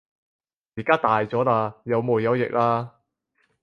而家大咗喇，有毛有翼喇